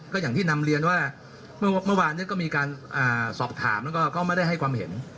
ก็อย่างที่นำเรียนว่าเมื่อวานก็มีการสอบถามแล้วก็ไม่ได้ให้ความเห็น